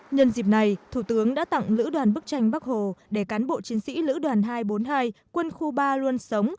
nhân dịp này thủ tướng đã tặng lữ đoàn bức tranh bắc hồ để cán bộ chiến sĩ lữ đoàn hai trăm bốn mươi hai quân khu ba luôn sống